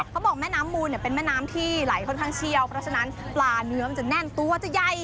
แม่น้ำมูลเนี่ยเป็นแม่น้ำที่ไหลค่อนข้างเชี่ยวเพราะฉะนั้นปลาเนื้อมันจะแน่นตัวจะใหญ่